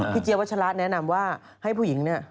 พี่เจียววัชราชแนะนำว่าให้ผู้หญิงเนี่ย